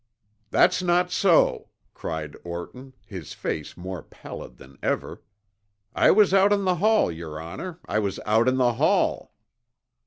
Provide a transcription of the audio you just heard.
"That's not so!" cried Orton, his face more pallid than ever. "I was out in the hall, your honor, I was out in the hall!"